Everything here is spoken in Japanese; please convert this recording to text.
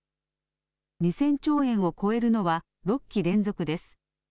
２０００兆円を超えるのは６期連続です。